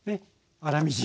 粗みじん。